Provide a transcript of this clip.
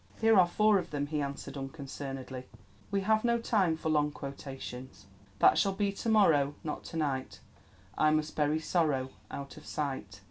"Here are four of them," he answered unconcernedly; "we have no time for long quotations: "'That shall be to morrow, Not to night: I must bury sorrow Out of sight.